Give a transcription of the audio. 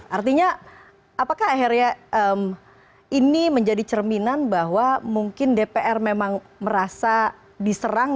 artinya apakah akhirnya ini menjadi cerminan bahwa mungkin dpr memang merasa diserang